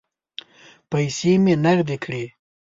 پیسې مې نغدې کړې.